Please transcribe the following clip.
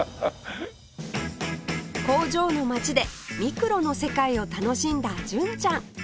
工場の町でミクロの世界を楽しんだ純ちゃん